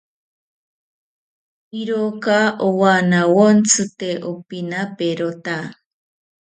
Iroka owanawontzi tee opinaperota